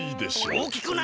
おおきくない？